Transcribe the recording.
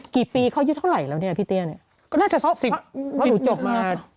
กี่ปีเขาอายุเท่าไหร่แล้วเนี่ยพี่เตี้ยเนี่ยก็น่าจะซ้อสิบเพราะหนูจบมา